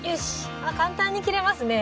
あ簡単に切れますね。